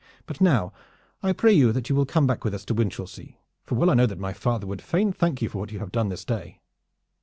But now I pray you that you will come back with us to Winchelsea, for well I know that my father would fain thank you for what you have done this day."